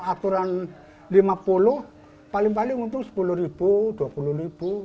aturan lima puluh paling paling untung sepuluh ribu dua puluh ribu